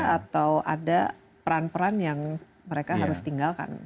atau ada peran peran yang mereka harus tinggalkan